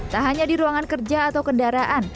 tak hanya di ruangan kerja atau kendaraan